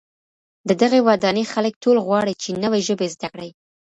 د دغي ودانۍ خلک ټول غواړي چي نوې ژبې زده کړي.